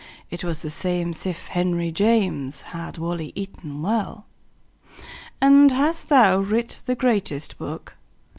It was the same'sif henryjames Had wally eaton well. "And hast thou writ the greatest book?